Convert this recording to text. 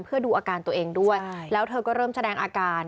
เพื่อดูอาการตัวเองด้วยแล้วเธอก็เริ่มแสดงอาการ